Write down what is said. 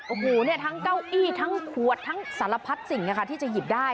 โอ้โหทั้งเก้าอี้ทั้งขวดทั้งสารพัดสิ่งนะคะที่จะหยิบได้